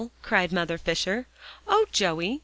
cried Mother Fisher. "Oh, Joey!